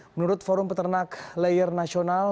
menurut forum peternak layer nasional